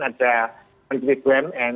ada menteri bumn